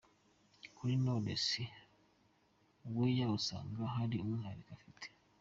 Kuri Knowless, Weya asanga hari umwihariko afite.